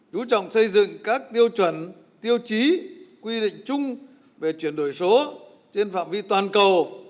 chú trọng xây dựng các tiêu chuẩn tiêu chí quy định chung về chuyển đổi số trên phạm vi toàn cầu